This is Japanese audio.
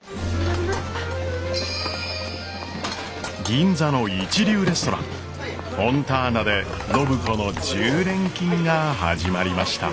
銀座の一流レストランフォンターナで暢子の１０連勤が始まりました。